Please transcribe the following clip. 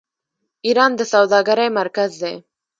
ایران د سوداګرۍ مرکز دی.